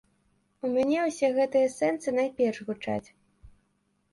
У мяне ўсе гэтыя сэнсы найперш гучаць.